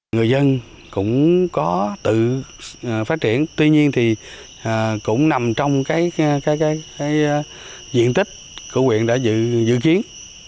người dân cũng có tự phát triển tuy nhiên thì cũng nằm trong diện tích của quyện đã dự kiến